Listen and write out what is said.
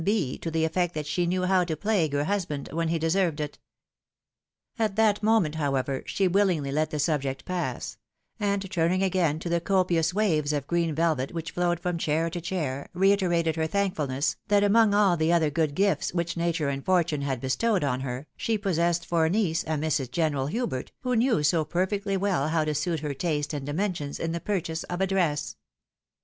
B., to the effect that she knew how to plague her husband when he deserved it. At that moment, however, she wiUingly let the subject pass ; and, turning again to the copious waves of green velvet which ilowed from chair to chair, reiterated her thankfulness, that among all the other good giifts which nature and fortune had bestowed on her, she possessed for a niece a Mrs. General Hubert, who knew so perfectly well how to suit her taste and dimensions in the purchase of a dress